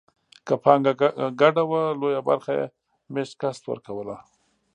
که پانګه ګډه وه لویه برخه یې مېشت کس ورکوله.